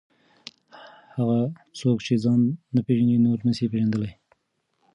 هغه څوک چې ځان نه پېژني نور نسي پېژندلی.